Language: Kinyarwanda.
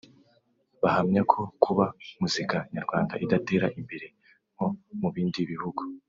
bahamya ko kuba muzika nyarwanda idatera imbere nko mu bindi bihugu